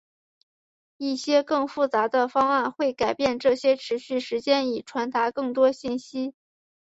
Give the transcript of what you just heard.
一些更复杂的方案会改变这些持续时间以传达更多信息。